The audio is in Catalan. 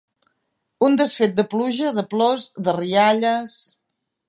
Un desfet de pluja, de plors, de rialles.